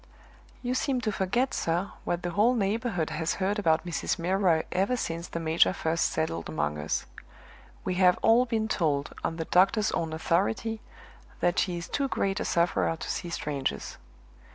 "You seem to forget, sir, what the whole neighborhood has heard about Mrs. Milroy ever since the major first settled among us. We have all been told, on the doctor's own authority, that she is too great a sufferer to see strangers.